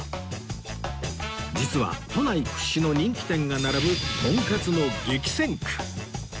実は都内屈指の人気店が並ぶとんかつの激戦区